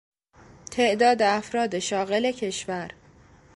تعداد افراد شاغل کشور